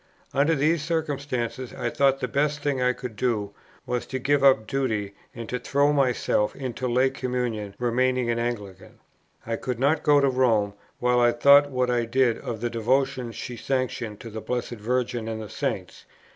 Under these circumstances I thought the best thing I could do was to give up duty and to throw myself into lay communion, remaining an Anglican. I could not go to Rome, while I thought what I did of the devotions she sanctioned to the Blessed Virgin and the Saints.